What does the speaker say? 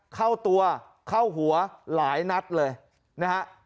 เข้าตัวเข้าหัวหลายนัดเลยนะฮะ